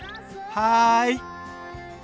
はい！